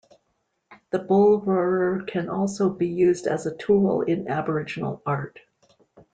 The bullroarer can also be used as a tool in Aboriginal art.